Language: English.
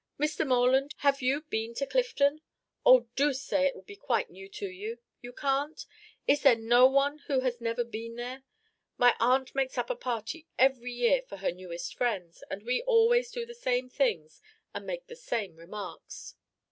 Mr. Morland, have you been to Clifton? Oh, do say it will be quite new to you! You can't? Is there no one who has never been there? My aunt makes up a party every year, for her newest friends, and we always do the same things and make the same remarks."